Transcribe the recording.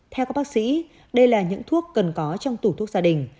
theo các bác sĩ đây là những thuốc cần có trong tủ thuốc gia đình